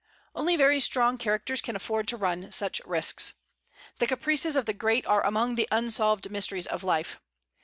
Only very strong characters can afford to run such risks. The caprices of the great are among the unsolved mysteries of life.